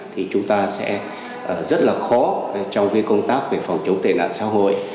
thì chúng ta sẽ rất là khó trong công tác về phòng chống tệ nạn xã hội